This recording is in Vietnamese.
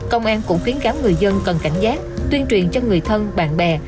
công an cũng khiến gáo người dân cần cảnh giác tuyên truyền cho người thân bạn bè